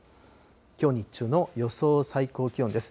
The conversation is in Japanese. きょう日中の予想最高気温です。